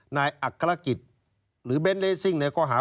นายอักษรกิจหรือเบนเลสซิงเนี่ย